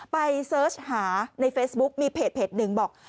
เสิร์ชหาในเฟซบุ๊กมีเพจหนึ่งบอก